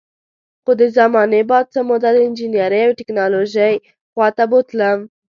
خو د زمانې باد څه موده د انجینرۍ او ټیکنالوژۍ خوا ته بوتلم